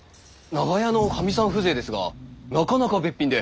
長屋のかみさん風情ですがなかなかべっぴんで。